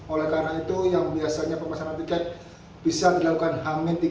oleh karena itu yang biasanya pemasaran tiket bisa dilakukan h tiga